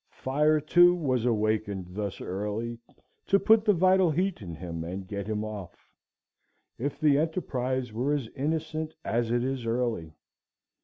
Fire, too, was awakened thus early to put the vital heat in him and get him off. If the enterprise were as innocent as it is early!